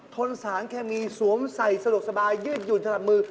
ทนสาหรันแค่มีสวมใส่สะดวกสบายยืดหยุ่นทันทันมือ